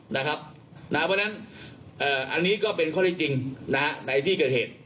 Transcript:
เพราะฉะนั้นอันนี้ก็เป็นข้อได้จริงในที่เกิดเหตุ